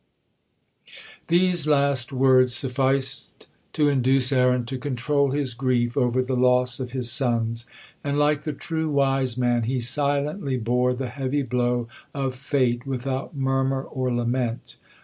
These last words sufficed to induce Aaron to control his grief over the loss of his sons, and like the true wise man he silently bore the heavy blow of fate without murmur or lament.